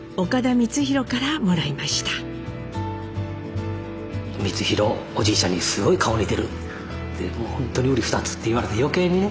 光宏おじいちゃんにすごい顔似てるってもう本当にうり二つって言われて余計にね